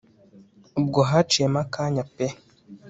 ubwo haciyemo akanya pe